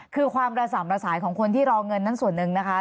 คือความระส่ำระสายของคนที่รอเงินนั้นส่วนหนึ่งนะคะ